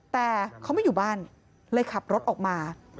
แต่เขาไม่อยู่บ้านเลยขับรถออกมา